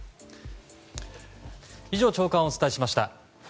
以上、朝刊をお伝えしました。